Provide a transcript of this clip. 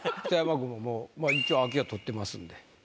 北山君ももう一応秋は取ってますんで。